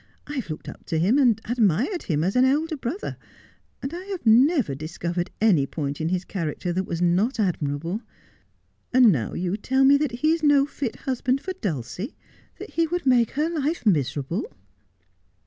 I have looked up to him, and admired him, as an elder brother, and I have never discovered any point in his character that was not admirable. And now you tell me that he is no fit husband for Dulcie ; that he would make her life miserable.'